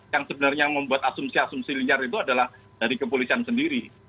yang sebenarnya membuat asumsi asumsi liar itu adalah dari kepolisian sendiri